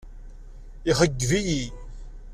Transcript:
Ixeyyeb-iyi.